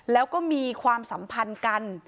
แล้วก็มีความสัมพันธ์กัน